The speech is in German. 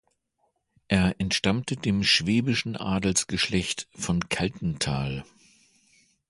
Er entstammte dem schwäbischen Adelsgeschlecht von Kaltental.